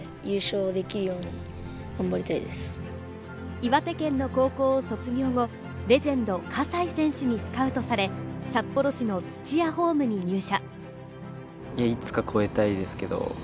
岩手県の高校卒業後、レジェンド・葛西選手にスカウトされ、札幌市の土屋ホームに入社。